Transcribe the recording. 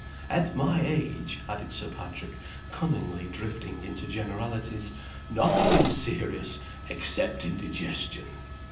At my age," added Sir Patrick, cunningly drifting into generalities, "nothing is serious except Indigestion.